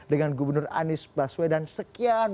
dengan gubernur anies baswedan sekian